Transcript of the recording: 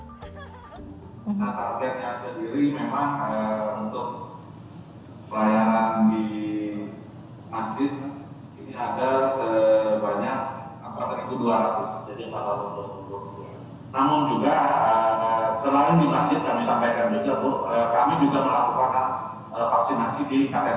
selalu di masjid kami sampaikan juga kami juga melakukan vaksinasi di katedral